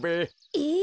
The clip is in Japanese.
えっ？